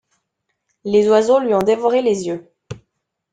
Les oiseaux lui ont dévoré les yeux.